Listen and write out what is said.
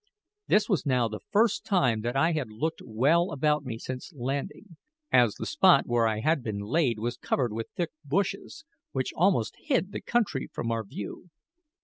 This was now the first time that I had looked well about me since landing, as the spot where I had been laid was covered with thick bushes, which almost hid the country from our view.